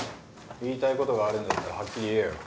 言いたい事があるんだったらはっきり言えよ。